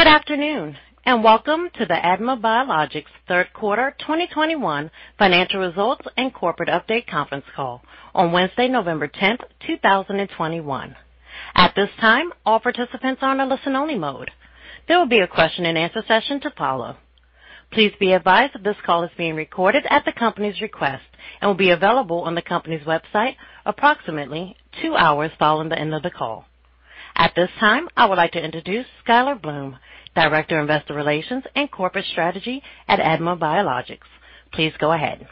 Good afternoon, and welcome to the ADMA Biologics third quarter 2021 financial results and corporate update conference call on Wednesday, November 10th, 2021. At this time, all participants are in a listen-only mode. There will be a question and answer session to follow. Please be advised that this call is being recorded at the company's request and will be available on the company's website approximately two hours following the end of the call. At this time, I would like to introduce Skyler Bloom, Director of Investor Relations and Corporate Strategy at ADMA Biologics. Please go ahead.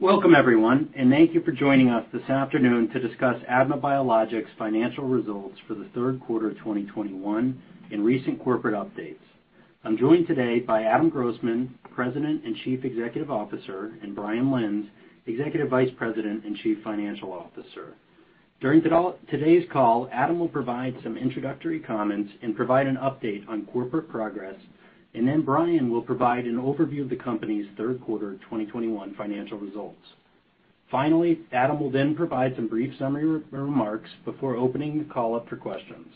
Welcome, everyone, and thank you for joining us this afternoon to discuss ADMA Biologics' financial results for the third quarter of 2021 and recent corporate updates. I'm joined today by Adam Grossman, President and Chief Executive Officer, and Brian Lenz, Executive Vice President and Chief Financial Officer. During today's call, Adam will provide some introductory comments and provide an update on corporate progress, and then Brian will provide an overview of the company's third quarter 2021 financial results. Finally, Adam will then provide some brief summary remarks before opening the call up for questions.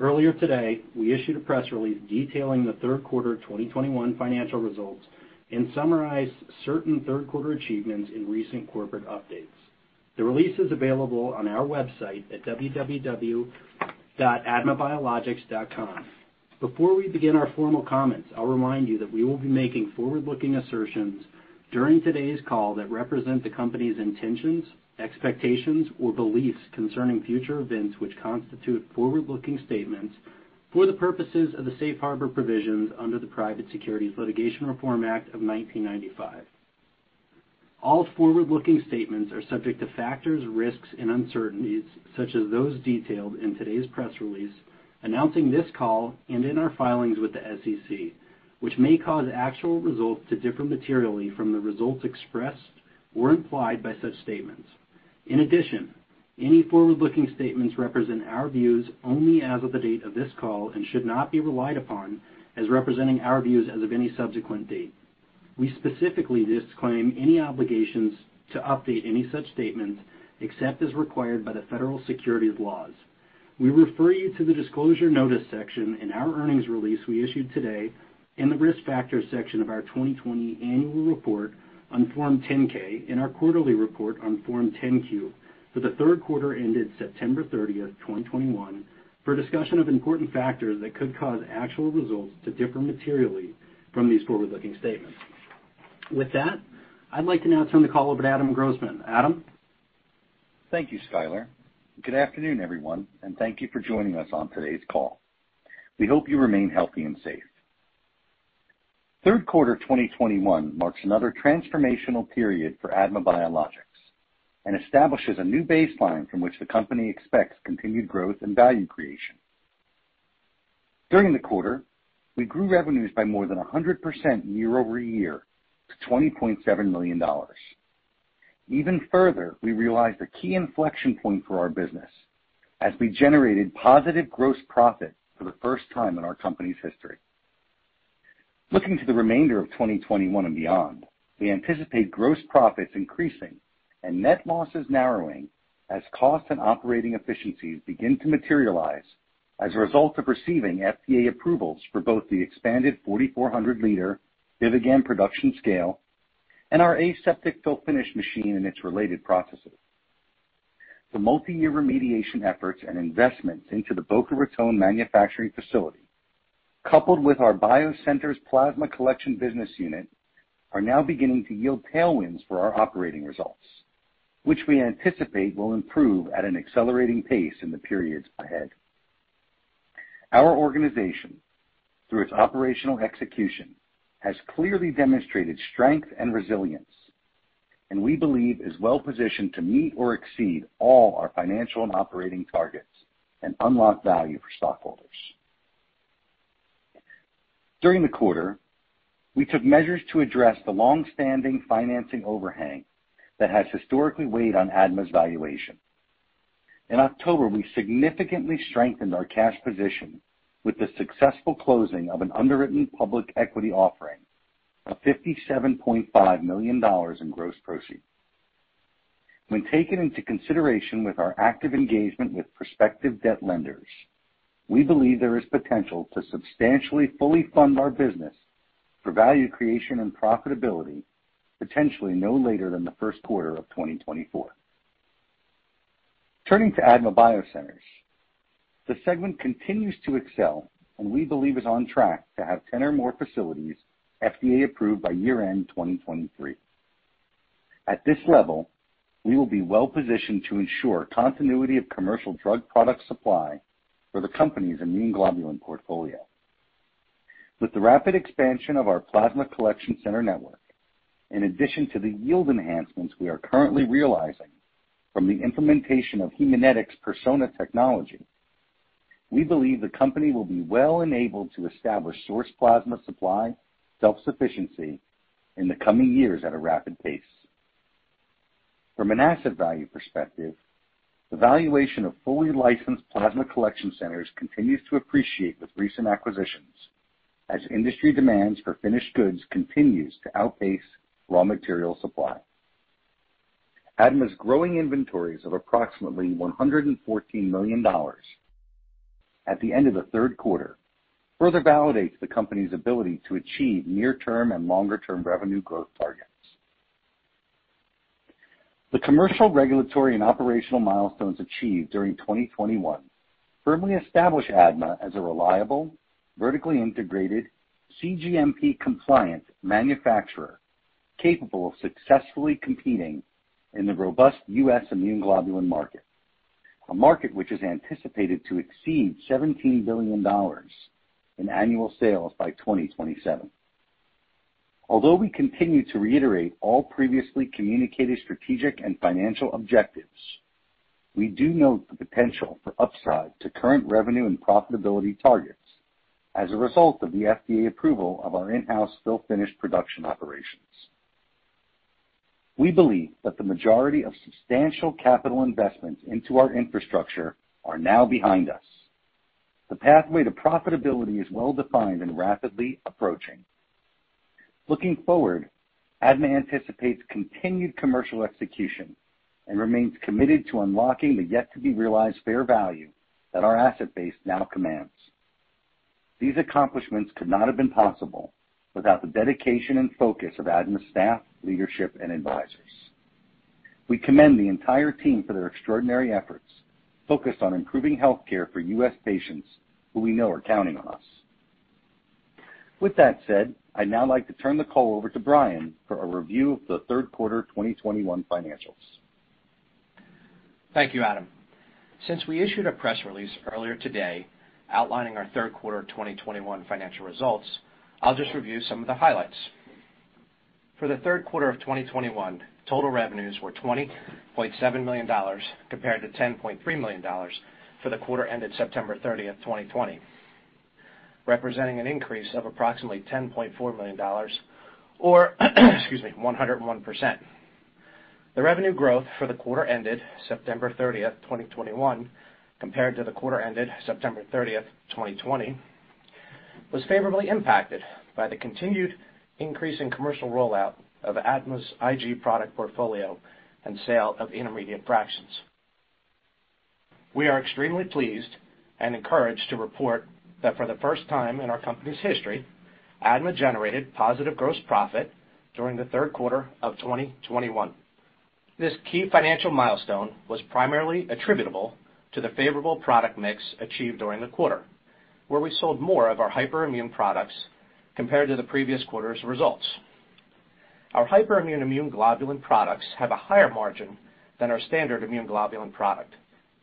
Earlier today, we issued a press release detailing the third quarter of 2021 financial results and summarized certain third quarter achievements in recent corporate updates. The release is available on our website at www.admabiologics.com. Before we begin our formal comments, I'll remind you that we will be making forward-looking assertions during today's call that represent the company's intentions, expectations, or beliefs concerning future events, which constitute forward-looking statements for the purposes of the safe harbor provisions under the Private Securities Litigation Reform Act of 1995. All forward-looking statements are subject to factors, risks, and uncertainties, such as those detailed in today's press release announcing this call and in our filings with the SEC, which may cause actual results to differ materially from the results expressed or implied by such statements. In addition, any forward-looking statements represent our views only as of the date of this call and should not be relied upon as representing our views as of any subsequent date. We specifically disclaim any obligations to update any such statements except as required by the Federal securities laws. We refer you to the Disclosure Notice section in our earnings release we issued today and the Risk Factors section of our 2020 annual report on Form 10-K and our quarterly report on Form 10-Q for the third quarter ended September 30th, 2021, for discussion of important factors that could cause actual results to differ materially from these forward-looking statements. With that, I'd like to now turn the call over to Adam Grossman. Adam? Thank you, Skyler. Good afternoon, everyone, and thank you for joining us on today's call. We hope you remain healthy and safe. Third quarter 2021 marks another transformational period for ADMA Biologics and establishes a new baseline from which the company expects continued growth and value creation. During the quarter, we grew revenues by more than 100% year-over-year to $20.7 million. Even further, we realized a key inflection point for our business as we generated positive gross profit for the first time in our company's history. Looking to the remainder of 2021 and beyond, we anticipate gross profits increasing and net losses narrowing as costs and operating efficiencies begin to materialize as a result of receiving FDA approvals for both the expanded 4,400-liter BIVIGAM production scale and our aseptic fill-finish machine and its related processes. The multi-year remediation efforts and investments into the Boca Raton manufacturing facility, coupled with our BioCenters plasma collection business unit, are now beginning to yield tailwinds for our operating results, which we anticipate will improve at an accelerating pace in the periods ahead. Our organization, through its operational execution, has clearly demonstrated strength and resilience, and we believe is well positioned to meet or exceed all our financial and operating targets and unlock value for stockholders. During the quarter, we took measures to address the long-standing financing overhang that has historically weighed on ADMA's valuation. In October, we significantly strengthened our cash position with the successful closing of an underwritten public equity offering of $57.5 million in gross proceeds. When taken into consideration with our active engagement with prospective debt lenders, we believe there is potential to substantially fully fund our business for value creation and profitability, potentially no later than the first quarter of 2024. Turning to ADMA BioCenters, the segment continues to excel and we believe is on track to have 10 or more facilities FDA approved by year-end 2023. At this level, we will be well-positioned to ensure continuity of commercial drug product supply for the company's immune globulin portfolio. With the rapid expansion of our plasma collection center network, in addition to the yield enhancements we are currently realizing from the implementation of Haemonetics' Persona technology, we believe the company will be well enabled to establish source plasma supply self-sufficiency in the coming years at a rapid pace. From an asset value perspective. The valuation of fully licensed plasma collection centers continues to appreciate with recent acquisitions as industry demands for finished goods continues to outpace raw material supply. ADMA's growing inventories of approximately $114 million at the end of the third quarter further validates the company's ability to achieve near-term and longer-term revenue growth targets. The commercial, regulatory, and operational milestones achieved during 2021 firmly establish ADMA as a reliable, vertically integrated, cGMP-compliant manufacturer capable of successfully competing in the robust U.S. immune globulin market, a market which is anticipated to exceed $17 billion in annual sales by 2027. Although we continue to reiterate all previously communicated strategic and financial objectives, we do note the potential for upside to current revenue and profitability targets as a result of the FDA approval of our in-house fill-finish production operations. We believe that the majority of substantial capital investments into our infrastructure are now behind us. The pathway to profitability is well-defined and rapidly approaching. Looking forward, ADMA anticipates continued commercial execution and remains committed to unlocking the yet-to-be-realized fair value that our asset base now commands. These accomplishments could not have been possible without the dedication and focus of ADMA staff, leadership, and advisors. We commend the entire team for their extraordinary efforts focused on improving healthcare for U.S. patients who we know are counting on us. With that said, I'd now like to turn the call over to Brian for a review of the third quarter of 2021 financials. Thank you, Adam. Since we issued a press release earlier today outlining our third quarter of 2021 financial results, I'll just review some of the highlights. For the third quarter of 2021, total revenues were $20.7 million compared to $10.3 million for the quarter ended September 30th, 2020, representing an increase of approximately $10.4 million or, excuse me, 101%. The revenue growth for the quarter ended September 30th, 2021, compared to the quarter ended September 30th, 2020, was favorably impacted by the continued increase in commercial rollout of ADMA's IG product portfolio and sale of intermediate fractions. We are extremely pleased and encouraged to report that for the first time in our company's history, ADMA generated positive gross profit during the third quarter of 2021. This key financial milestone was primarily attributable to the favorable product mix achieved during the quarter, where we sold more of our hyperimmune products compared to the previous quarter's results. Our hyperimmune immune globulin products have a higher margin than our standard immune globulin product,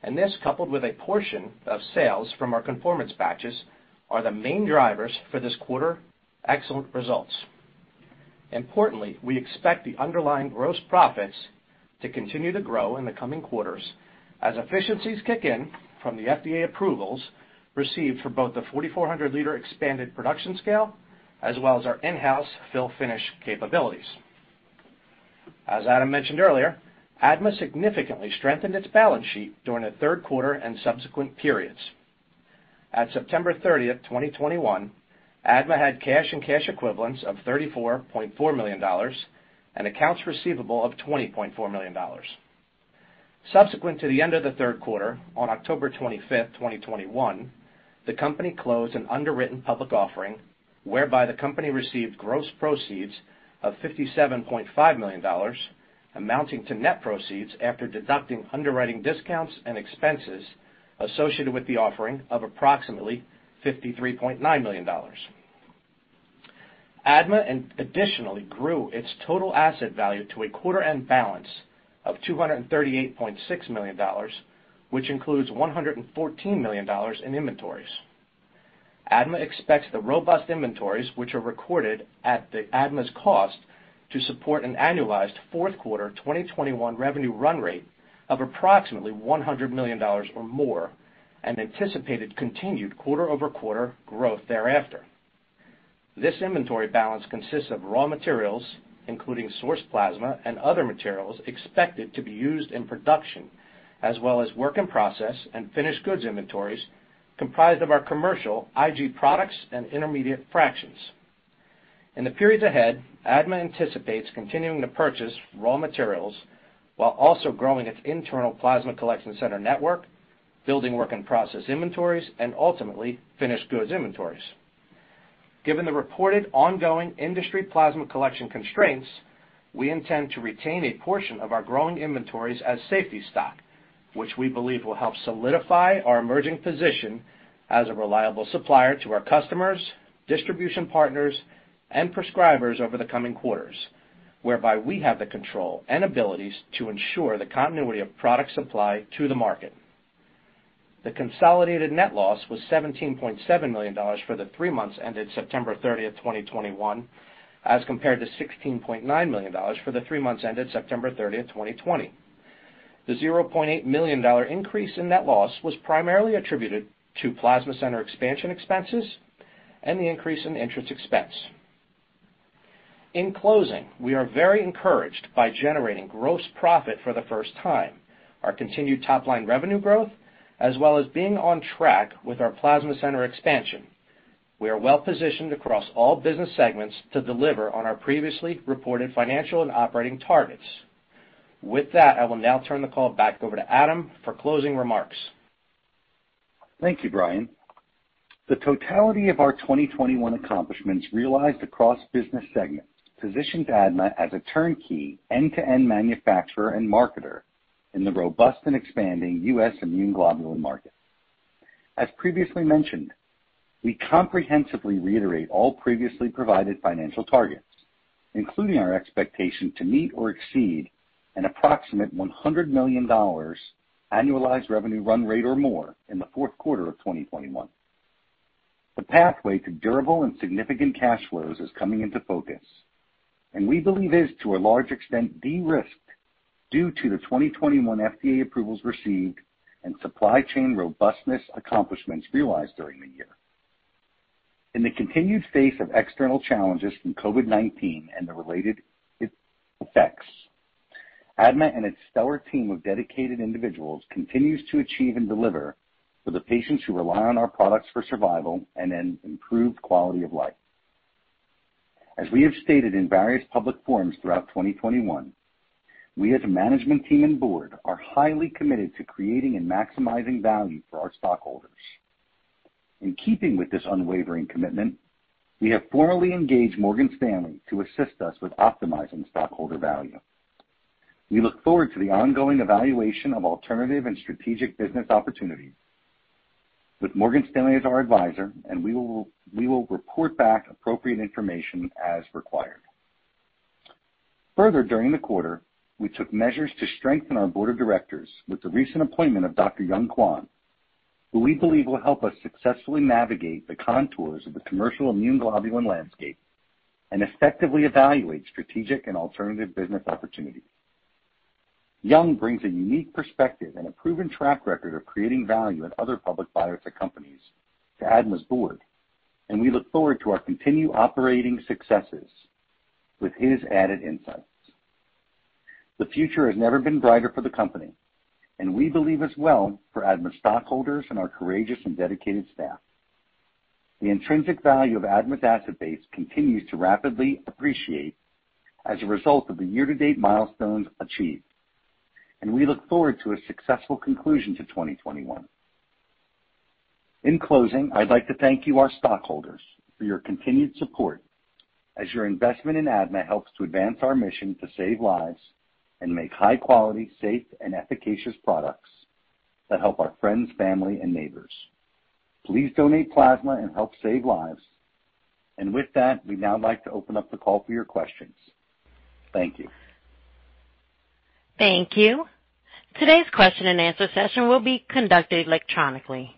and this, coupled with a portion of sales from our conformance batches, are the main drivers for this quarter's excellent results. Importantly, we expect the underlying gross profits to continue to grow in the coming quarters as efficiencies kick in from the FDA approvals received for both the 4,400-liter expanded production scale as well as our in-house fill-finish capabilities. As Adam mentioned earlier, ADMA significantly strengthened its balance sheet during the third quarter and subsequent periods. At September 30th, 2021, ADMA had cash and cash equivalents of $34.4 million and accounts receivable of $20.4 million. Subsequent to the end of the third quarter, on October 25th, 2021, the company closed an underwritten public offering whereby the company received gross proceeds of $57.5 million, amounting to net proceeds after deducting underwriting discounts and expenses associated with the offering of approximately $53.9 million. ADMA additionally grew its total asset value to a quarter-end balance of $238.6 million, which includes $114 million in inventories. ADMA expects the robust inventories, which are recorded at the ADMA's cost, to support an annualized fourth quarter 2021 revenue run rate of approximately $100 million or more and anticipated continued quarter-over-quarter growth thereafter. This inventory balance consists of raw materials, including source plasma and other materials expected to be used in production, as well as work in process and finished goods inventories comprised of our commercial IG products and intermediate fractions. In the periods ahead, ADMA anticipates continuing to purchase raw materials while also growing its internal plasma collection center network, building work in process inventories, and ultimately finished goods inventories. Given the reported ongoing industry plasma collection constraints, we intend to retain a portion of our growing inventories as safety stock, which we believe will help solidify our emerging position as a reliable supplier to our customers, distribution partners, and prescribers over the coming quarters, whereby we have the control and abilities to ensure the continuity of product supply to the market. The consolidated net loss was $17.7 million for the three months ended September 30th, 2021, as compared to $16.9 million for the three months ended September 30th, 2020. The $0.8 million increase in net loss was primarily attributed to plasma center expansion expenses and the increase in interest expense. In closing, we are very encouraged by generating gross profit for the first time, our continued top-line revenue growth, as well as being on track with our plasma center expansion. We are well-positioned across all business segments to deliver on our previously reported financial and operating targets. With that, I will now turn the call back over to Adam for closing remarks. Thank you, Brian. The totality of our 2021 accomplishments realized across business segments positions ADMA as a turnkey end-to-end manufacturer and marketer in the robust and expanding U.S. immune globulin market. As previously mentioned, we comprehensively reiterate all previously provided financial targets, including our expectation to meet or exceed an approximate $100 million annualized revenue run rate or more in the fourth quarter of 2021. The pathway to durable and significant cash flows is coming into focus, and we believe is, to a large extent, de-risked due to the 2021 FDA approvals received and supply chain robustness accomplishments realized during the year. In the continued face of external challenges from COVID-19 and the related effects, ADMA and its stellar team of dedicated individuals continues to achieve and deliver for the patients who rely on our products for survival and an improved quality of life. As we have stated in various public forums throughout 2021, we as a management team and board are highly committed to creating and maximizing value for our stockholders. In keeping with this unwavering commitment, we have formally engaged Morgan Stanley to assist us with optimizing stockholder value. We look forward to the ongoing evaluation of alternative and strategic business opportunities with Morgan Stanley as our advisor, and we will report back appropriate information as required. Further, during the quarter, we took measures to strengthen our board of directors with the recent appointment of Dr. Young T. Kwon, who we believe will help us successfully navigate the contours of the commercial immune globulin landscape and effectively evaluate strategic and alternative business opportunities. Young brings a unique perspective and a proven track record of creating value at other public biotech companies to ADMA's board, and we look forward to our continued operating successes with his added insights. The future has never been brighter for the company, and we believe as well for ADMA stockholders and our courageous and dedicated staff. The intrinsic value of ADMA's asset base continues to rapidly appreciate as a result of the year-to-date milestones achieved, and we look forward to a successful conclusion to 2021. In closing, I'd like to thank you, our stockholders, for your continued support as your investment in ADMA helps to advance our mission to save lives and make high quality, safe and efficacious products that help our friends, family and neighbors. Please donate plasma and help save lives. With that, we'd now like to open up the call for your questions. Thank you. Thank you. Today's question-and-answer session will be conducted electronically.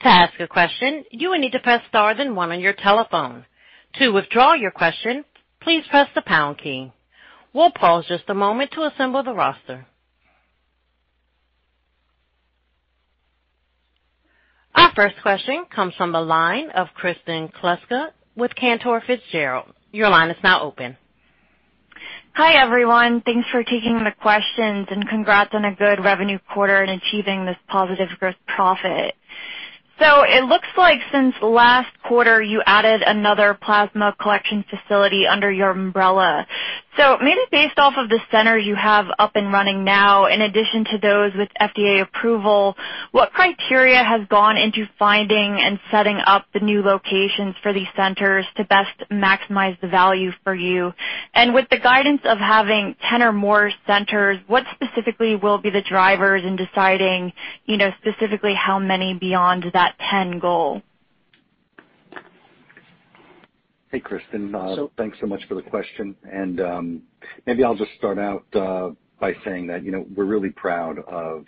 To ask a question, you will need to press star then one on your telephone. To withdraw your question, please press the pound key. We'll pause just a moment to assemble the roster. Our first question comes from the line of Kristen Kluska with Cantor Fitzgerald. Your line is now open. Hi, everyone. Thanks for taking the questions and congrats on a good revenue quarter and achieving this positive gross profit. It looks like since last quarter you added another plasma collection facility under your umbrella. Maybe based off of the centers you have up and running now, in addition to those with FDA approval, what criteria has gone into finding and setting up the new locations for these centers to best maximize the value for you? With the guidance of having 10 or more centers, what specifically will be the drivers in deciding, you know, specifically how many beyond that 10 goal? Hey, Kristen, thanks so much for the question. Maybe I'll just start out by saying that, you know, we're really proud of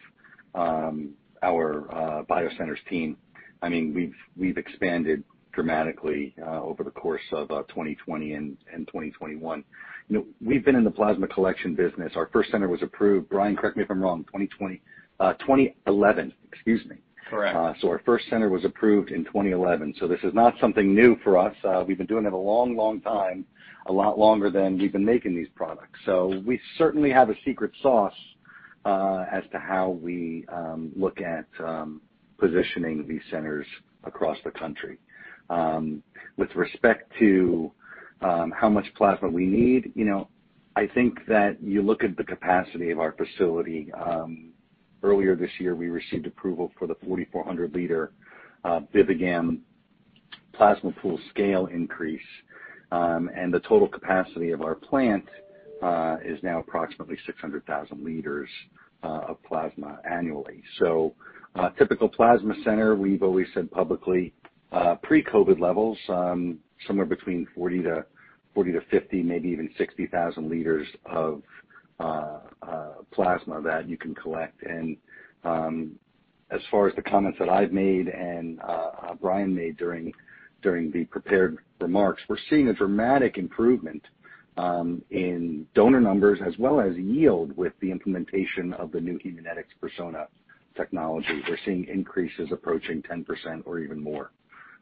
our BioCenters team. I mean, we've expanded dramatically over the course of 2020 and 2021. You know, we've been in the plasma collection business. Our first center was approved, Brian, correct me if I'm wrong, 2011. Excuse me. Correct. Our first center was approved in 2011. This is not something new for us. We've been doing it a long, long time, a lot longer than we've been making these products. We certainly have a secret sauce as to how we look at positioning these centers across the country. With respect to how much plasma we need, you know, I think that you look at the capacity of our facility. Earlier this year, we received approval for the 4,400-liter BIVIGAM plasma pool scale increase. The total capacity of our plant is now approximately 600,000 liters of plasma annually. Typical plasma center, we've always said publicly, pre-COVID levels, somewhere between 40,000-50,000 liters, maybe even 60,000 liters of plasma that you can collect. As far as the comments that I've made and Brian made during the prepared remarks, we're seeing a dramatic improvement in donor numbers as well as yield with the implementation of the new Haemonetics Persona technology. We're seeing increases approaching 10% or even more.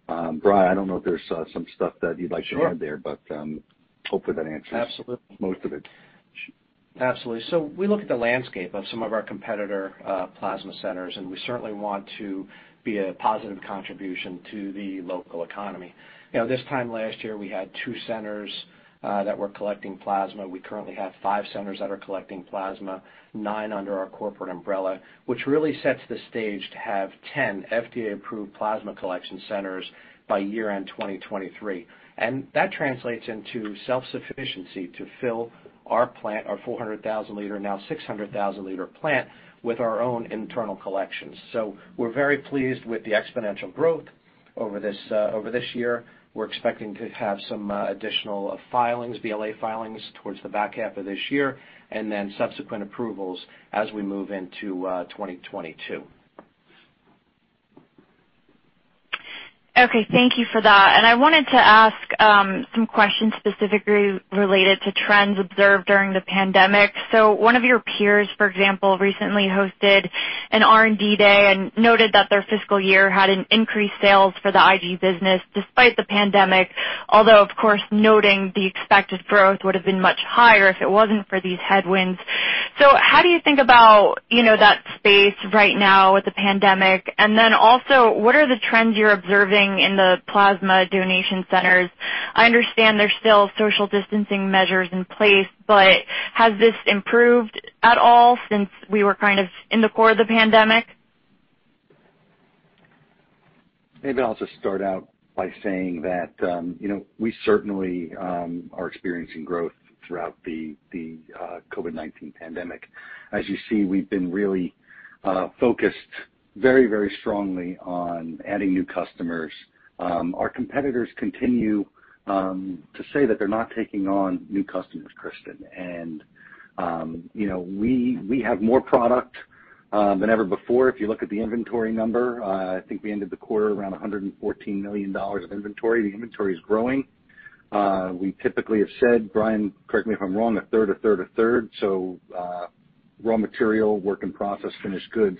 Brian, I don't know if there's some stuff that you'd like to add there. Sure. Hopefully that answers. Absolutely. Most of it. Absolutely. We look at the landscape of some of our competitor plasma centers, and we certainly want to be a positive contribution to the local economy. You know, this time last year, we had two centers that were collecting plasma. We currently have five centers that are collecting plasma, nine under our corporate umbrella, which really sets the stage to have 10 FDA-approved plasma collection centers by year-end 2023. That translates into self-sufficiency to fill our plant, our 400,000-liter, now 600,000-liter plant with our own internal collections. We're very pleased with the exponential growth over this year. We're expecting to have some additional filings, BLA filings towards the back half of this year, and then subsequent approvals as we move into 2022. Okay. Thank you for that. I wanted to ask some questions specifically related to trends observed during the pandemic. One of your peers, for example, recently hosted an R&D day and noted that their fiscal year had an increased sales for the IG business despite the pandemic, although of course, noting the expected growth would have been much higher if it wasn't for these headwinds. How do you think about, you know, that space right now with the pandemic? Then also, what are the trends you're observing in the plasma donation centers? I understand there's still social distancing measures in place, but has this improved at all since we were kind of in the core of the pandemic? Maybe I'll just start out by saying that, you know, we certainly are experiencing growth throughout the COVID-19 pandemic. As you see, we've been really focused very strongly on adding new customers. Our competitors continue to say that they're not taking on new customers, Kristen. You know, we have more product than ever before. If you look at the inventory number, I think we ended the quarter around $114 million of inventory. The inventory is growing. We typically have said, Brian, correct me if I'm wrong, a third raw material, a third work in process, a third finished goods.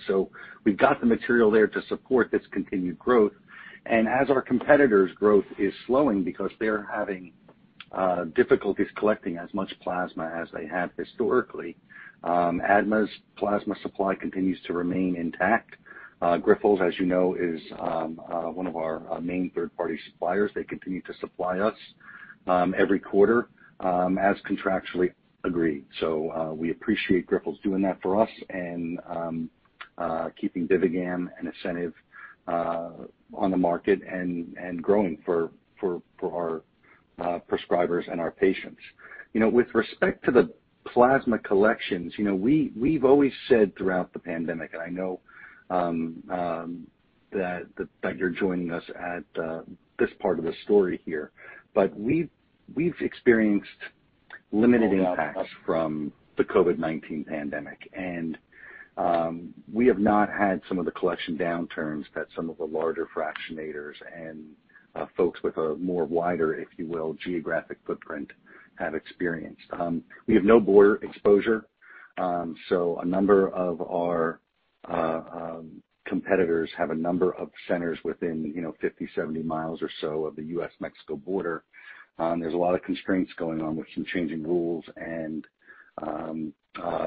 We've got the material there to support this continued growth. As our competitors' growth is slowing because they're having difficulties collecting as much plasma as they have historically, ADMA's plasma supply continues to remain intact. Grifols, as you know, is one of our main third-party suppliers. They continue to supply us every quarter as contractually agreed. We appreciate Grifols doing that for us and keeping BIVIGAM and ASCENIV on the market and growing for our prescribers and our patients. You know, with respect to the plasma collections, you know, we've always said throughout the pandemic, and I know that you're joining us at this part of the story here, but we've experienced limited impacts from the COVID-19 pandemic. We have not had some of the collection downturns that some of the larger fractionators and folks with a more wider, if you will, geographic footprint have experienced. We have no border exposure, so a number of our competitors have a number of centers within, you know, 50 miles-70 miles or so of the U.S.-Mexico border. There's a lot of constraints going on with some changing rules and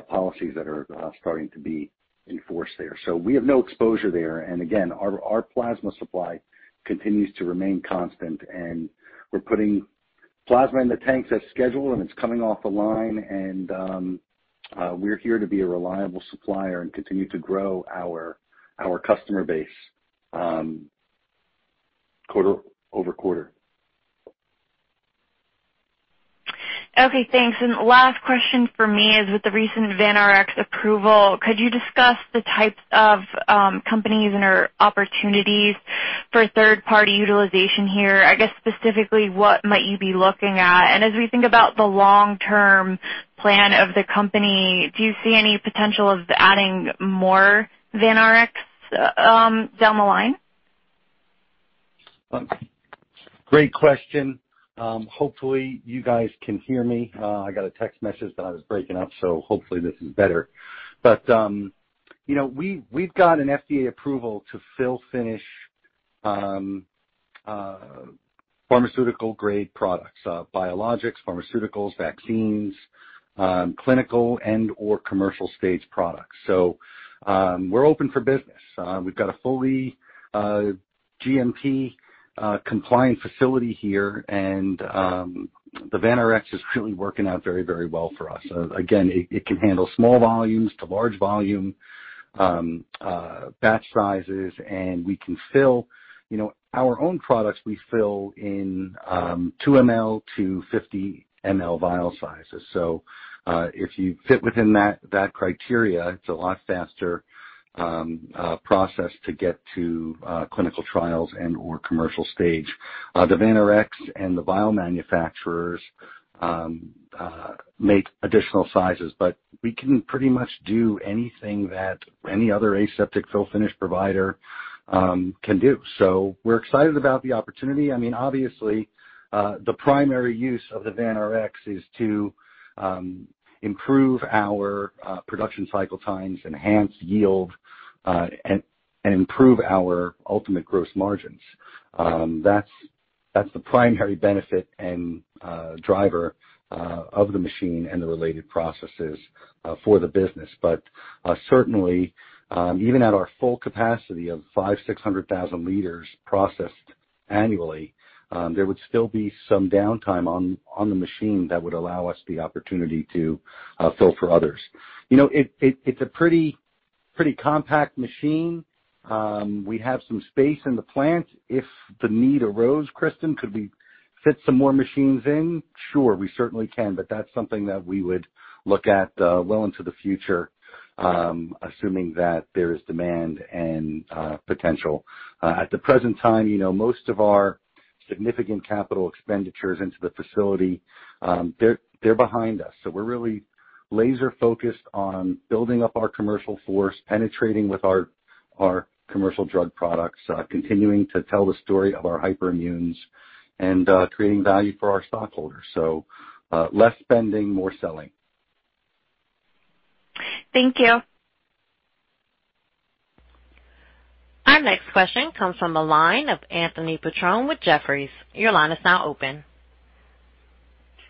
policies that are starting to be enforced there. We have no exposure there. Again, our plasma supply continues to remain constant, and we're putting plasma in the tanks as scheduled, and it's coming off the line, and we're here to be a reliable supplier and continue to grow our customer base quarter over quarter. Okay, thanks. Last question for me is with the recent VanRx approval, could you discuss the types of, companies and/or opportunities for third-party utilization here? I guess specifically, what might you be looking at? As we think about the long-term plan of the company, do you see any potential of adding more VanRx down the line? Great question. Hopefully, you guys can hear me. I got a text message that I was breaking up, so hopefully this is better. You know, we've got an FDA approval to fill-finish pharmaceutical-grade products, biologics, pharmaceuticals, vaccines, clinical and/or commercial stage products. We're open for business. We've got a fully GMP compliant facility here and the VanRx is really working out very, very well for us. Again, it can handle small volumes to large volume batch sizes, and we can fill, you know, our own products we fill in 2 ml-50 ml vial sizes. If you fit within that criteria, it's a lot faster process to get to clinical trials and/or commercial stage. The VanRx and the vial manufacturers make additional sizes, but we can pretty much do anything that any other aseptic fill finish provider can do. We're excited about the opportunity. I mean, obviously, the primary use of the VanRx is to improve our production cycle times, enhance yield, and improve our ultimate gross margins. That's the primary benefit and driver of the machine and the related processes for the business. Certainly, even at our full capacity of 500,000-600,000 liters processed annually, there would still be some downtime on the machine that would allow us the opportunity to fill for others. You know, it's a pretty compact machine. We have some space in the plant. If the need arose, Kristen, could we fit some more machines in? Sure, we certainly can, but that's something that we would look at, well into the future, assuming that there is demand and, potential. At the present time, you know, most of our significant capital expenditures into the facility, they're behind us. We're really laser-focused on building up our commercial force, penetrating with our commercial drug products, continuing to tell the story of our hyperimmunes, and, creating value for our stockholders. Less spending, more selling. Thank you. Our next question comes from the line of Anthony Petrone with Jefferies. Your line is now open.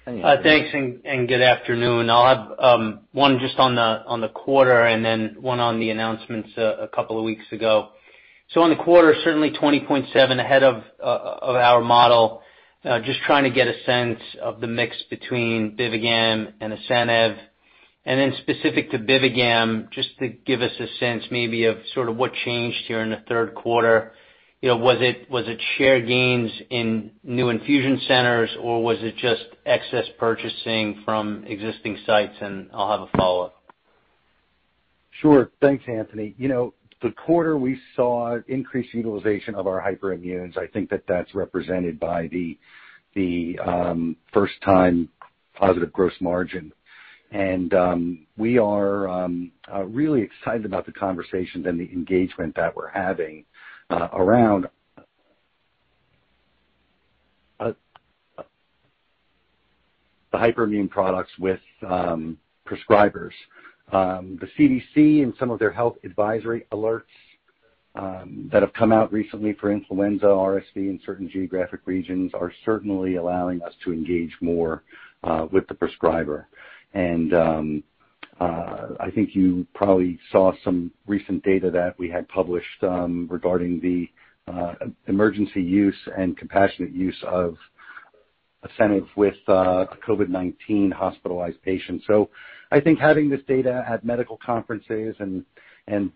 Thanks and good afternoon. I'll have one just on the quarter and then one on the announcements a couple of weeks ago. On the quarter, certainly $20.7 ahead of our model. Just trying to get a sense of the mix between BIVIGAM and ASCENIV. Specific to BIVIGAM, just to give us a sense maybe of sort of what changed here in the third quarter. You know, was it share gains in new infusion centers, or was it just excess purchasing from existing sites? I'll have a follow-up. Sure. Thanks, Anthony. You know, the quarter we saw increased utilization of our hyperimmunes. I think that's represented by the first-time positive gross margin. We are really excited about the conversations and the engagement that we're having around the hyperimmune products with prescribers. The CDC and some of their health advisory alerts that have come out recently for influenza, RSV in certain geographic regions are certainly allowing us to engage more with the prescriber. I think you probably saw some recent data that we had published regarding the emergency use and compassionate use of ASCENIV with a COVID-19 hospitalized patient. I think having this data at medical conferences and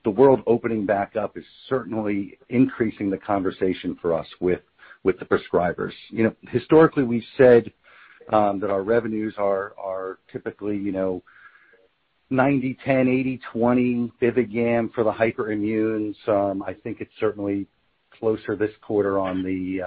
the world opening back up is certainly increasing the conversation for us with the prescribers. You know, historically, we've said that our revenues are typically 90/10, 80/20 BIVIGAM for the hyperimmunes. I think it's certainly closer this quarter on the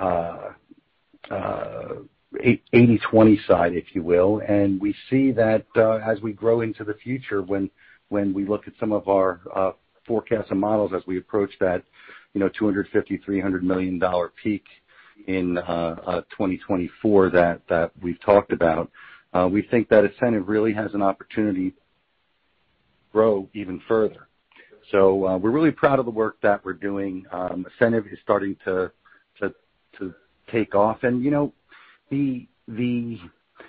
80/20 side, if you will. We see that as we grow into the future when we look at some of our forecasts and models as we approach that $250 million-$300 million peak in 2024 that we've talked about. We think that ASCENIV really has an opportunity to grow even further. We're really proud of the work that we're doing. ASCENIV is starting to take off. You know, the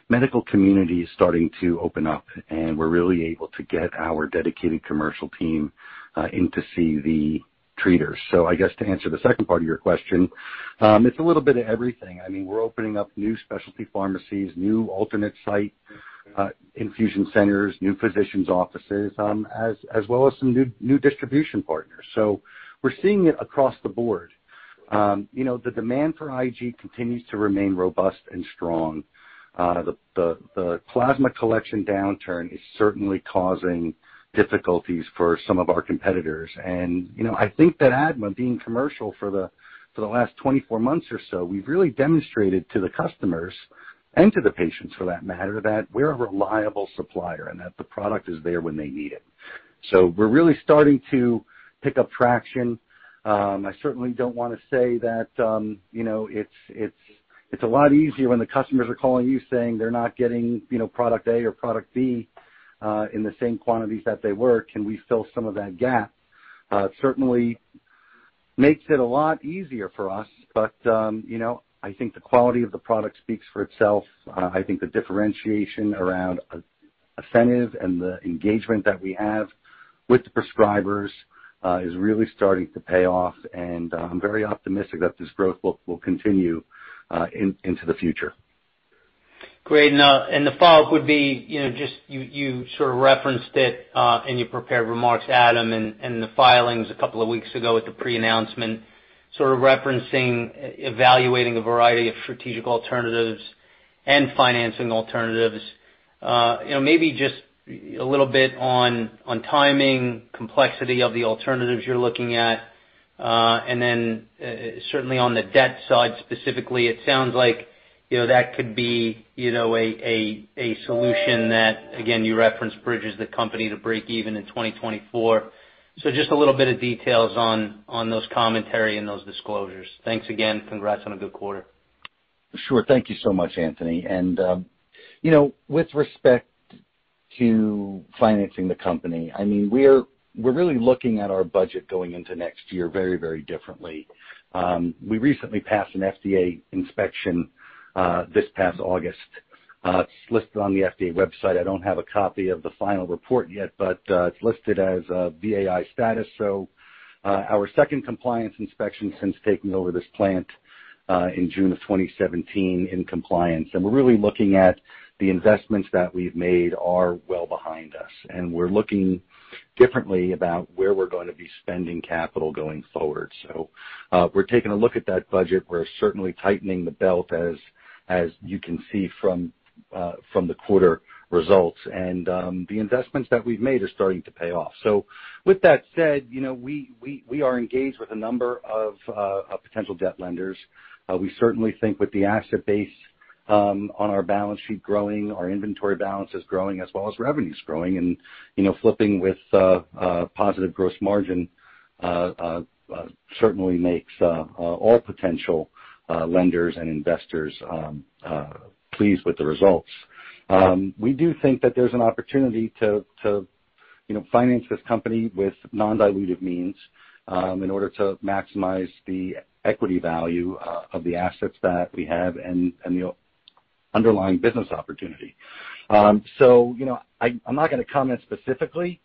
medical community is starting to open up, and we're really able to get our dedicated commercial team in to see the treaters. I guess to answer the second part of your question, it's a little bit of everything. I mean, we're opening up new specialty pharmacies, new alternate site, infusion centers, new physicians' offices, as well as some new distribution partners. We're seeing it across the board. You know, the demand for IG continues to remain robust and strong. The plasma collection downturn is certainly causing difficulties for some of our competitors. You know, I think that ADMA being commercial for the last 24 months or so, we've really demonstrated to the customers and to the patients for that matter, that we're a reliable supplier and that the product is there when they need it. We're really starting to pick up traction. I certainly don't wanna say that, you know, it's a lot easier when the customers are calling you saying they're not getting, you know, product A or product B, in the same quantities that they were, can we fill some of that gap? It certainly makes it a lot easier for us, but, you know, I think the quality of the product speaks for itself. I think the differentiation around ASCENIV and the engagement that we have with the prescribers is really starting to pay off, and I'm very optimistic that this growth will continue into the future. Great. Now, the follow-up would be, you know, just you sort of referenced it in your prepared remarks, Adam, and the filings a couple of weeks ago with the pre-announcement, sort of referencing evaluating a variety of strategic alternatives and financing alternatives. You know, maybe just a little bit on timing, complexity of the alternatives you're looking at. Then, certainly on the debt side, specifically, it sounds like, you know, that could be a solution that, again, you referenced bridges the company to break even in 2024. Just a little bit of details on those commentary and those disclosures. Thanks again. Congrats on a good quarter. Sure. Thank you so much, Anthony. You know, with respect to financing the company. I mean, we're really looking at our budget going into next year very differently. We recently passed an FDA inspection this past August. It's listed on the FDA website. I don't have a copy of the final report yet, but it's listed as VAI status. Our second compliance inspection since taking over this plant in June of 2017 in compliance. We're really looking at the investments that we've made are well behind us, and we're looking differently about where we're gonna be spending capital going forward. We're taking a look at that budget. We're certainly tightening the belt, as you can see from the quarter results. The investments that we've made are starting to pay off. With that said, you know, we are engaged with a number of potential debt lenders. We certainly think with the asset base on our balance sheet growing, our inventory balance is growing as well as revenues growing. You know, flipping to positive gross margin certainly makes all potential lenders and investors pleased with the results. We do think that there's an opportunity to, you know, finance this company with non-dilutive means in order to maximize the equity value of the assets that we have and the underlying business opportunity. You know, I'm not gonna comment specifically,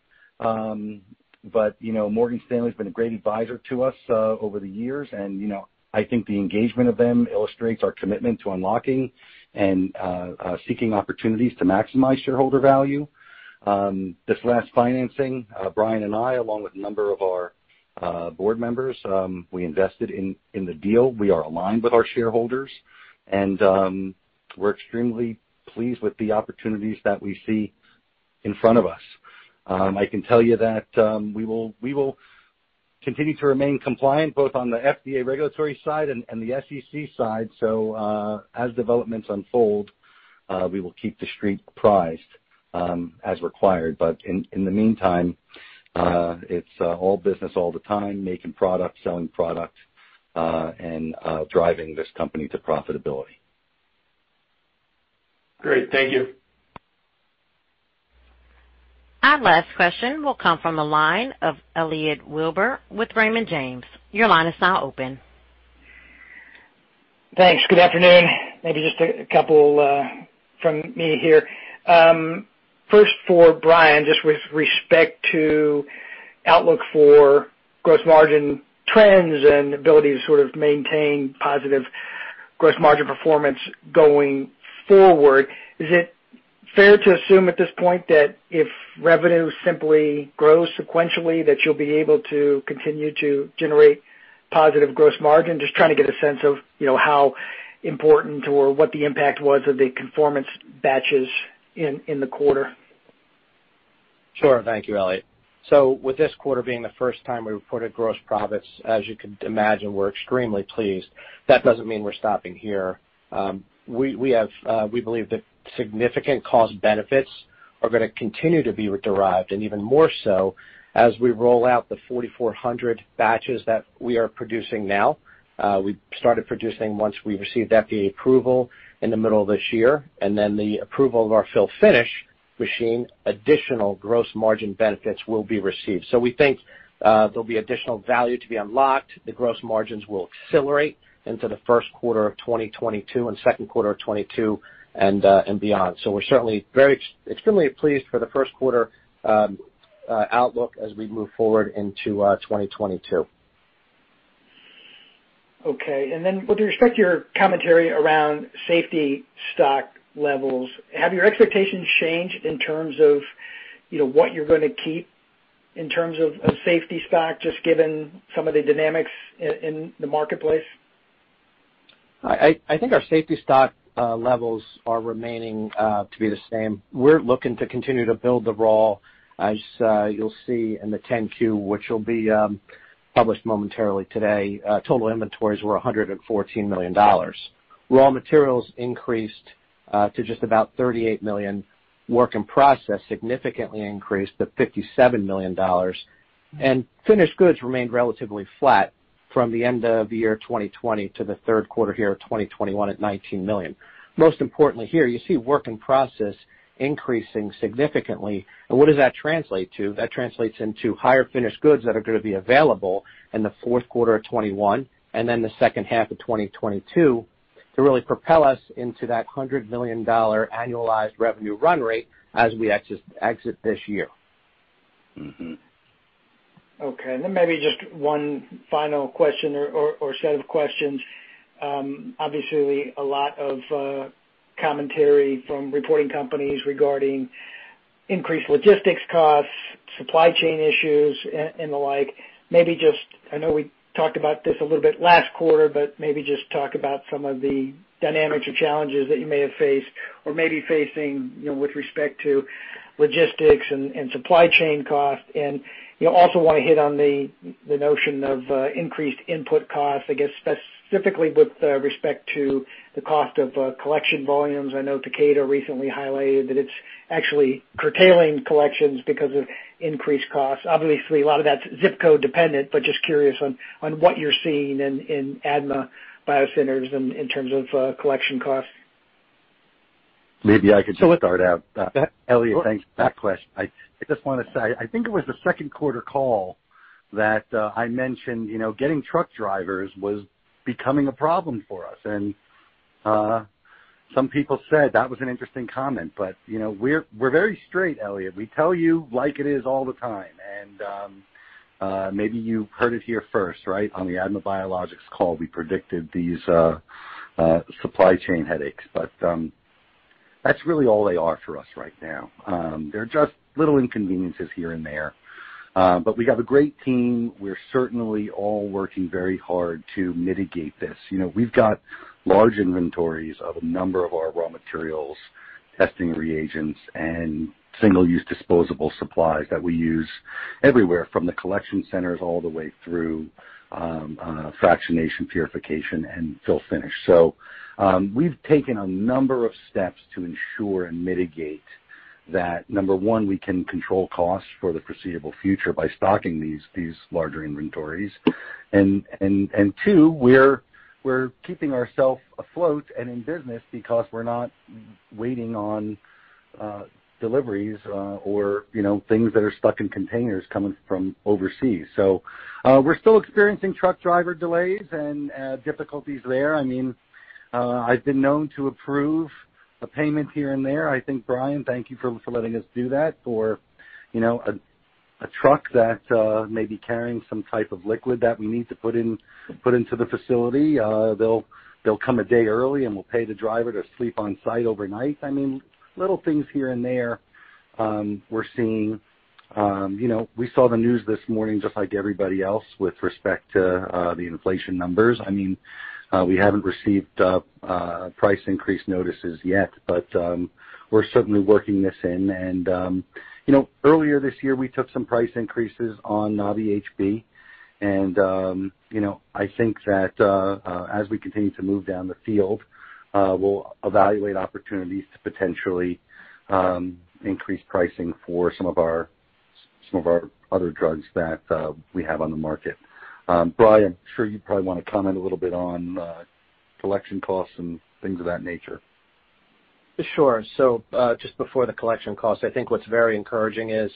but you know, Morgan Stanley's been a great advisor to us over the years. You know, I think the engagement of them illustrates our commitment to unlocking and seeking opportunities to maximize shareholder value. This last financing, Brian and I, along with a number of our board members, we invested in the deal. We are aligned with our shareholders, and we're extremely pleased with the opportunities that we see in front of us. I can tell you that we will continue to remain compliant both on the FDA regulatory side and the SEC side. As developments unfold, we will keep the street apprised as required. In the meantime, it's all business all the time, making product, selling product and driving this company to profitability. Great. Thank you. Our last question will come from the line of Elliot Wilbur with Raymond James. Your line is now open. Thanks. Good afternoon. Maybe just a couple from me here. First for Brian, just with respect to outlook for gross margin trends and ability to sort of maintain positive gross margin performance going forward, is it fair to assume at this point that if revenue simply grows sequentially, that you'll be able to continue to generate positive gross margin? Just trying to get a sense of, you know, how important or what the impact was of the conformance batches in the quarter. Sure. Thank you, Elliot. With this quarter being the first time we reported gross profits, as you can imagine, we're extremely pleased. That doesn't mean we're stopping here. We have, we believe that significant cost benefits are gonna continue to be derived, and even more so as we roll out the 4,400 batches that we are producing now. We started producing once we received FDA approval in the middle of this year, and then the approval of our fill-finish machine, additional gross margin benefits will be received. We think, there'll be additional value to be unlocked. The gross margins will accelerate into the first quarter of 2022 and second quarter of 2022, and beyond. We're certainly very extremely pleased for the first quarter outlook as we move forward into 2022. Okay. With respect to your commentary around safety stock levels, have your expectations changed in terms of, you know, what you're gonna keep in terms of safety stock, just given some of the dynamics in the marketplace? I think our safety stock levels are remaining to be the same. We're looking to continue to build the raw. As you'll see in the 10-Q, which will be published momentarily today, total inventories were $114 million. Raw materials increased to just about $38 million. Work in process significantly increased to $57 million. Finished goods remained relatively flat from the end of the year 2020 to the third quarter here of 2021 at $19 million. Most importantly here, you see work in process increasing significantly. What does that translate to? That translates into higher finished goods that are gonna be available in the fourth quarter of 2021 and then the second half of 2022 to really propel us into that $100 million annualized revenue run rate as we exit this year. Okay. Maybe just one final question or set of questions. Obviously a lot of commentary from reporting companies regarding increased logistics costs, supply chain issues and the like. I know we talked about this a little bit last quarter, but maybe just talk about some of the dynamics or challenges that you may have faced or may be facing, you know, with respect to logistics and supply chain costs. You know, also wanna hit on the notion of increased input costs, I guess specifically with respect to the cost of collection volumes. I know Takeda recently highlighted that it's actually curtailing collections because of increased costs. Obviously, a lot of that's ZIP code dependent, but just curious on what you're seeing in ADMA BioCenters in terms of collection costs. Maybe I could start out. Sure. Elliot, thanks for that question. I just want to say, I think it was the second quarter call that I mentioned, you know, getting truck drivers was becoming a problem for us. Some people said that was an interesting comment, but you know, we're very straight, Elliot. We tell you like it is all the time. Maybe you heard it here first, right? On the ADMA Biologics call, we predicted these supply chain headaches. That's really all they are for us right now. They're just little inconveniences here and there. We have a great team. We're certainly all working very hard to mitigate this. You know, we've got large inventories of a number of our raw materials, testing reagents, and single-use disposable supplies that we use everywhere from the collection centers all the way through, fractionation, purification, and fill finish. We've taken a number of steps to ensure and mitigate that. Number one, we can control costs for the foreseeable future by stocking these larger inventories. Two, we're keeping ourselves afloat and in business because we're not waiting on deliveries or, you know, things that are stuck in containers coming from overseas. We're still experiencing truck driver delays and difficulties there. I mean, I've been known to approve a payment here and there. I think, Brian, thank you for letting us do that for you know a truck that may be carrying some type of liquid that we need to put into the facility. They'll come a day early, and we'll pay the driver to sleep on site overnight. I mean, little things here and there, we're seeing. You know, we saw the news this morning just like everybody else with respect to the inflation numbers. I mean, we haven't received price increase notices yet, but we're certainly working this in. You know, earlier this year, we took some price increases on Nabi-HB. You know, I think that as we continue to move down the field, we'll evaluate opportunities to potentially increase pricing for some of our other drugs that we have on the market. Brian, I'm sure you probably want to comment a little bit on collection costs and things of that nature. Sure. Just before the collection costs, I think what's very encouraging is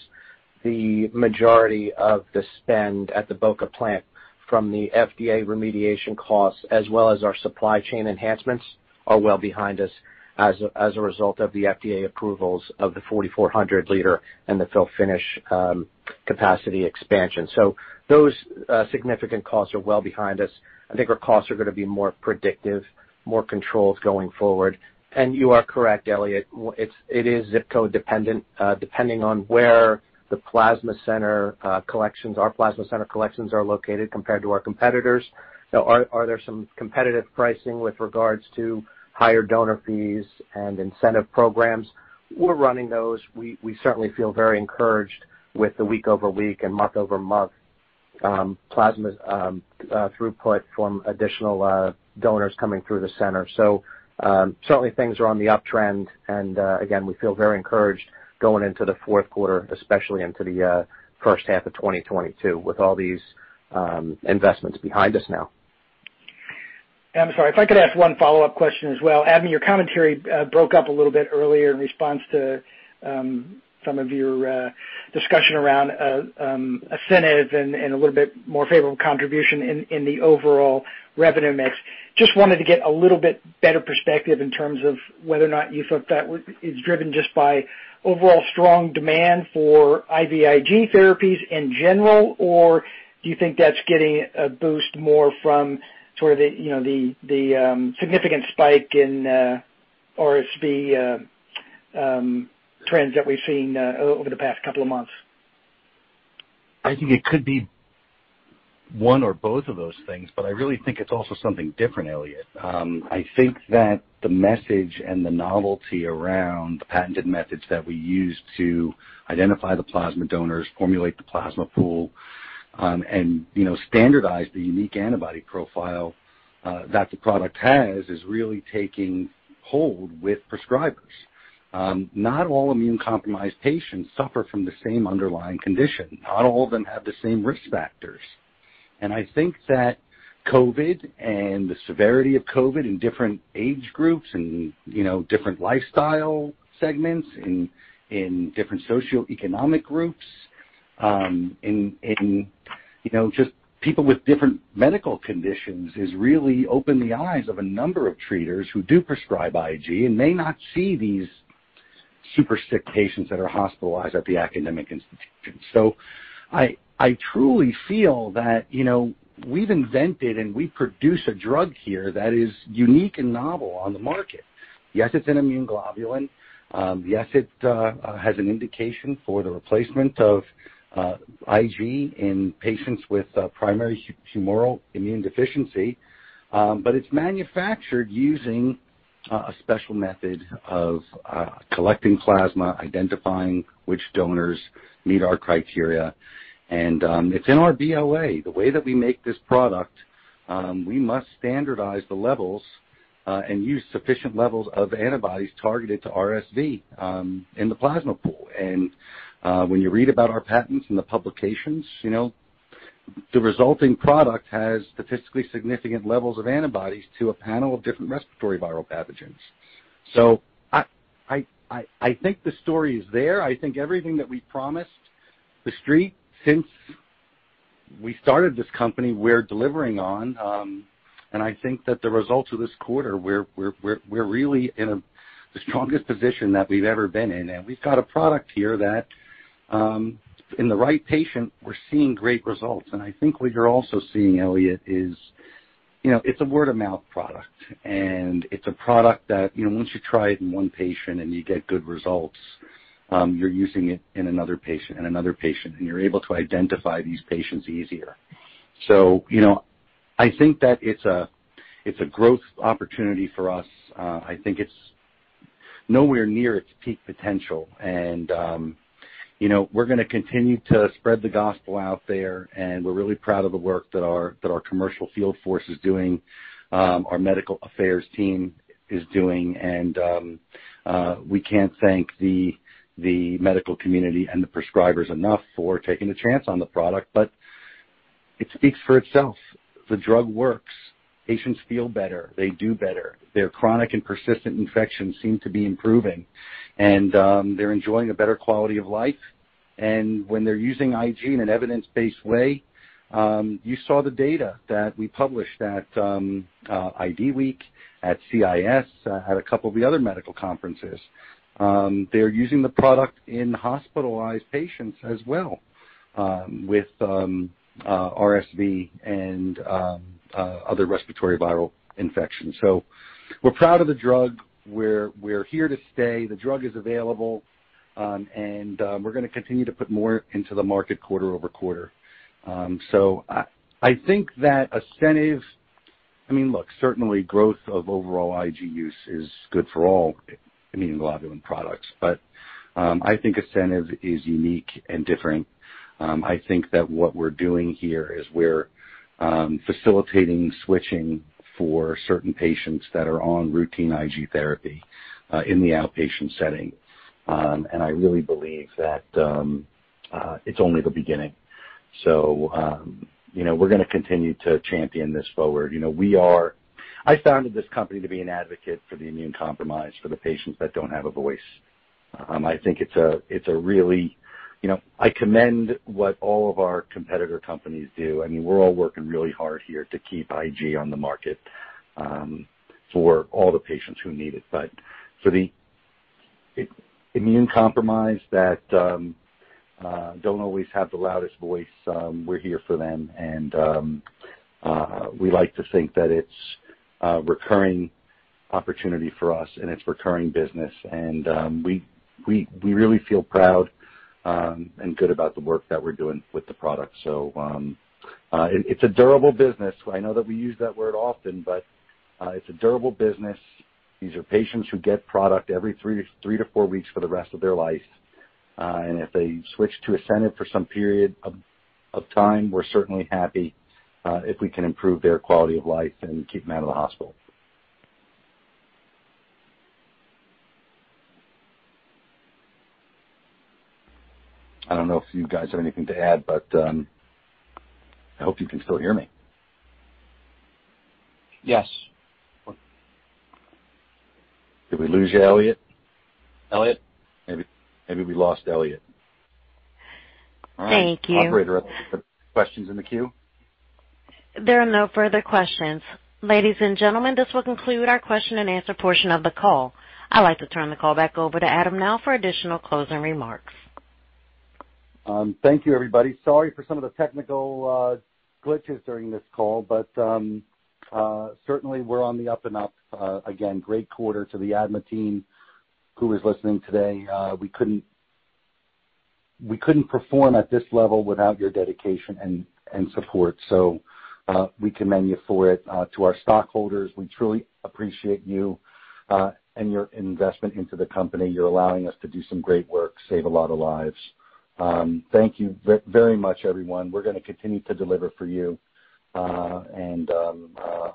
the majority of the spend at the Boca plant from the FDA remediation costs as well as our supply chain enhancements are well behind us as a result of the FDA approvals of the 4,400-liter and the fill-finish, capacity expansion. Those significant costs are well behind us. I think our costs are gonna be more predictive, more controlled going forward. You are correct, Elliot, it is ZIP code dependent, depending on where the plasma center collections, our plasma center collections are located compared to our competitors. Are there some competitive pricing with regards to higher donor fees and incentive programs? We're running those. We certainly feel very encouraged with the week-over-week and month-over-month plasma throughput from additional donors coming through the center. Certainly things are on the uptrend. Again, we feel very encouraged going into the fourth quarter, especially into the first half of 2022 with all these investments behind us now. I'm sorry. If I could ask one follow-up question as well. Adam, your commentary broke up a little bit earlier in response to some of your discussion around ASCENIV and a little bit more favorable contribution in the overall revenue mix. Just wanted to get a little bit better perspective in terms of whether or not you thought that is driven just by overall strong demand for IVIG therapies in general, or do you think that's getting a boost more from sort of the you know the significant spike in RSV trends that we've seen over the past couple of months? I think it could be one or both of those things, but I really think it's also something different, Elliot. I think that the message and the novelty around the patented methods that we use to identify the plasma donors, formulate the plasma pool, and, you know, standardize the unique antibody profile that the product has is really taking hold with prescribers. Not all immune-compromised patients suffer from the same underlying condition. Not all of them have the same risk factors. I think that COVID and the severity of COVID in different age groups and, you know, different lifestyle segments, in different socioeconomic groups, in you know, just people with different medical conditions has really opened the eyes of a number of treaters who do prescribe IG and may not see these super sick patients that are hospitalized at the academic institutions. I truly feel that, you know, we've invented and we produce a drug here that is unique and novel on the market. Yes, it's an immunoglobulin. Yes, it has an indication for the replacement of IG in patients with primary humoral immune deficiency. But it's manufactured using a special method of collecting plasma, identifying which donors meet our criteria. It's in our BLA. The way that we make this product, we must standardize the levels and use sufficient levels of antibodies targeted to RSV in the plasma pool. When you read about our patents and the publications, you know. The resulting product has statistically significant levels of antibodies to a panel of different respiratory viral pathogens. I think the story is there. I think everything that we promised The Street since we started this company, we're delivering on. I think that the results of this quarter, we're really in the strongest position that we've ever been in. We've got a product here that, in the right patient, we're seeing great results. I think what you're also seeing, Elliot, is, you know, it's a word-of-mouth product. It's a product that, you know, once you try it in one patient and you get good results, you're using it in another patient and another patient, and you're able to identify these patients easier. I think that it's a growth opportunity for us. I think it's nowhere near its peak potential. You know, we're gonna continue to spread the gospel out there, and we're really proud of the work that our commercial field force is doing, our medical affairs team is doing. We can't thank the medical community and the prescribers enough for taking the chance on the product, but it speaks for itself. The drug works. Patients feel better. They do better. Their chronic and persistent infections seem to be improving. They're enjoying a better quality of life. When they're using IG in an evidence-based way, you saw the data that we published at IDWeek, at CIS, at a couple of the other medical conferences. They're using the product in hospitalized patients as well, with RSV and other respiratory viral infections. We're proud of the drug. We're here to stay. The drug is available. We're gonna continue to put more into the market quarter over quarter. I think that ASCENIV. I mean, look, certainly growth of overall IG use is good for all immune globulin products. I think ASCENIV is unique and different. I think that what we're doing here is we're facilitating switching for certain patients that are on routine IG therapy in the outpatient setting. I really believe that it's only the beginning. You know, we're gonna continue to champion this forward. You know, I founded this company to be an advocate for the immune-compromised, for the patients that don't have a voice. I think it's a really. You know, I commend what all of our competitor companies do. I mean, we're all working really hard here to keep IG on the market for all the patients who need it. For the immune-compromised that don't always have the loudest voice, we're here for them. We like to think that it's a recurring opportunity for us and it's recurring business. We really feel proud and good about the work that we're doing with the product. It's a durable business. I know that we use that word often, but it's a durable business. These are patients who get product every three to four weeks for the rest of their life. If they switch to ASCENIV for some period of time, we're certainly happy if we can improve their quality of life and keep them out of the hospital. I don't know if you guys have anything to add, but I hope you can still hear me. Yes. Did we lose you, Elliot? Elliot? Maybe we lost Elliot. Thank you. All right. Operator, are there questions in the queue? There are no further questions. Ladies and gentlemen, this will conclude our question-and-answer portion of the call. I'd like to turn the call back over to Adam now for additional closing remarks. Thank you, everybody. Sorry for some of the technical glitches during this call, but certainly, we're on the up and up. Again, great quarter to the ADMA team who is listening today. We couldn't perform at this level without your dedication and support. So, we commend you for it. To our stockholders, we truly appreciate you and your investment into the company. You're allowing us to do some great work, save a lot of lives. Thank you very much, everyone. We're gonna continue to deliver for you.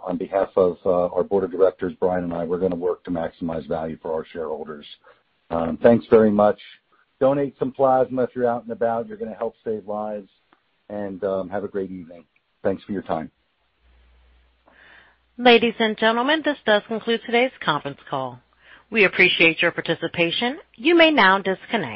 On behalf of our board of directors, Brian and I, we're gonna work to maximize value for our shareholders. Thanks very much. Donate some plasma if you're out and about. You're gonna help save lives. Have a great evening. Thanks for your time. Ladies and gentlemen, this does conclude today's conference call. We appreciate your participation. You may now disconnect.